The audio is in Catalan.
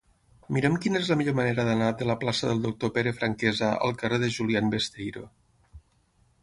Mira'm quina és la millor manera d'anar de la plaça del Doctor Pere Franquesa al carrer de Julián Besteiro.